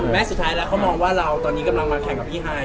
สุดท้ายแล้วเขามองว่าเราตอนนี้กำลังมาแข่งกับพี่ฮาย